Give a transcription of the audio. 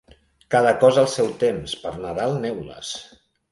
Cada cosa al seu temps; per Nadal, neules.